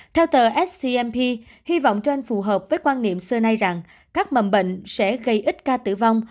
theo tờ scmp hy vọng cho anh phù hợp với quan niệm xưa nay rằng các mầm bệnh sẽ gây ít ca tử vong